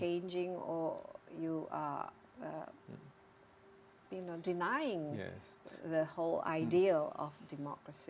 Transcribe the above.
anda menghentikan ide demokrasi